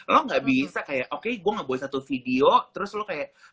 lo gak bisa kayak oke gue gak boleh satu video terus lo kayak